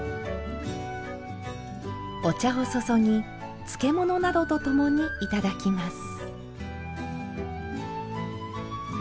お茶をそそぎ漬物などとともにいただきます。